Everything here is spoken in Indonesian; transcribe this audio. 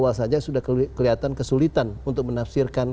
awal saja sudah kelihatan kesulitan untuk menafsirkan